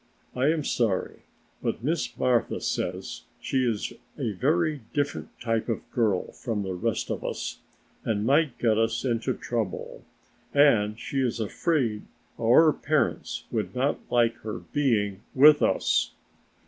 "I am sorry, but Miss Martha says she is a very different type of girl from the rest of us and might get us into trouble, and she is afraid our parents would not like her being with us."